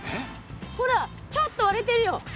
ほらちょっと割れてるよ。